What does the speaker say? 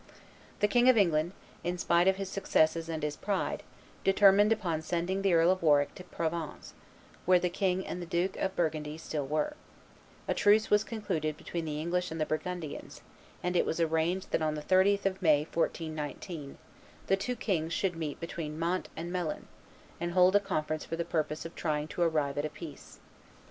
The King of England, in spite of his successes and his pride, determined upon sending the Earl of Warwick to Provins, where the king and the Duke of Burgundy still were: a truce was concluded between the English and the Burgundians, and it was arranged that on the 30th of May, 1419, the two kings should meet between Mantes and Melun, and hold a conference for the purpose of trying to arrive at a peace.